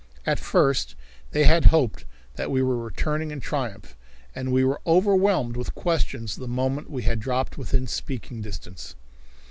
At first they had hoped that we were returning in triumph, and we were overwhelmed with questions the moment we had dropped within speaking distance.